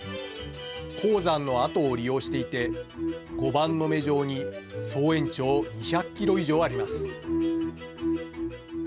鉱山の跡を利用していて碁盤の目状に総延長２００キロ以上あります。